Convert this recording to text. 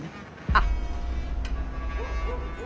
あっ。